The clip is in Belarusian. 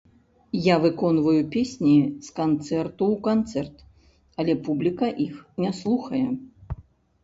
Я выконваю песні з канцэрту ў канцэрт, але публіка іх не слухае.